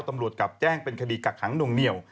ตำรวจกลับแจ้งเป็นคดีกักขังนวงเหนียว